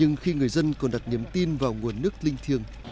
nhưng khi người dân còn đặt niềm tin vào nguồn nước linh thiêng